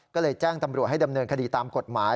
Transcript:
ก็เลยแจ้งตำรวจให้ดำเนินคดีตามกฎหมาย